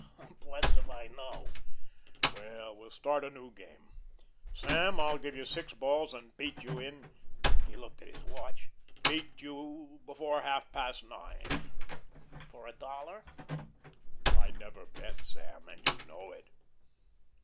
"I'm blessed if I know." "Well, we'll start a new game. Sam, I'll give you six balls and beat you in" he looked at his watch "beat you before half past nine." "For a dollar?" "I never bet, Sam, and you know it."